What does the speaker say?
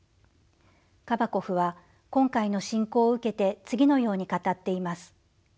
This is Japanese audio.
カバコフは今回の侵攻を受けて次のように語っています。